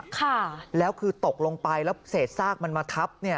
ค่ะแล้วคือตกลงไปแล้วเศษซากมันมาทับเนี่ย